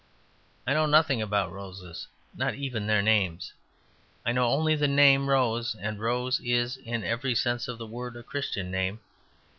I know nothing about roses, not even their names. I know only the name Rose; and Rose is (in every sense of the word) a Christian name.